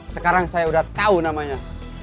sekarang saya udah tahu namanya